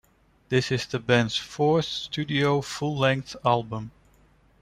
This is the band's fourth studio full-length album.